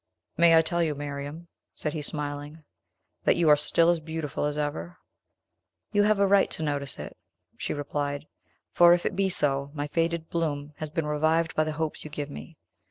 "May I tell you, Miriam," said he, smiling, "that you are still as beautiful as ever?" "You have a right to notice it," she replied, "for, if it be so, my faded bloom has been revived by the hopes you give me.